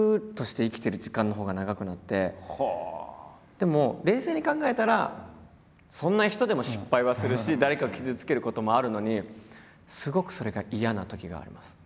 でも冷静に考えたらそんな人でも失敗はするし誰かを傷つけることもあるのにすごくそれが嫌なときがあります。